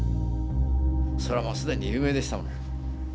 それはもう既に有名でしたもん。